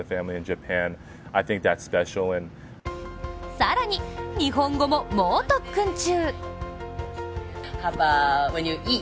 更に日本語も猛特訓中。